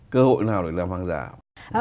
cơ hội nào để làm hoàng giả